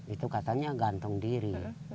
itu katanya gantung diri